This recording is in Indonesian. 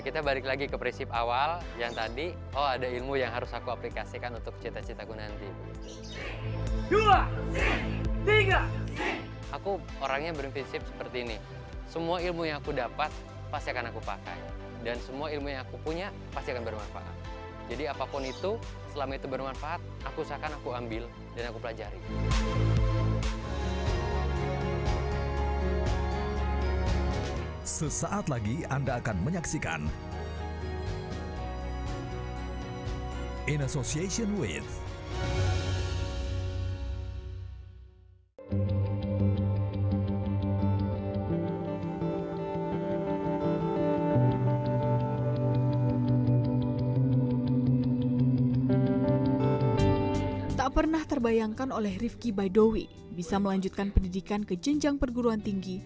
tak pernah terbayangkan oleh rifki baidowi bisa melanjutkan pendidikan ke jenjang perguruan tinggi